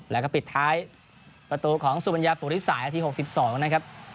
๒๗๒๐แล้วก็ปิดท้ายประตูของสุมัญญาภูติศาสตร์ที่๖๒นะครับ